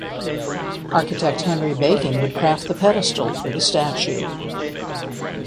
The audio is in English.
Architect Henry Bacon would craft the pedestal for the statue.